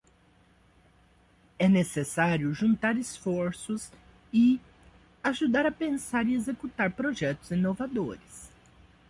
É necessário juntar esforços e ajudar a pensar e a executar projetos inovadores